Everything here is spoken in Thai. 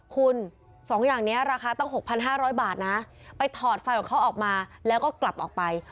คุณ๒อย่างนี้ราคาตั้ง๖๕๐๐บาทนะไปถอดไฟของเขาออกมาแล้วก็กลับออกไป